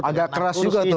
agak keras juga tuh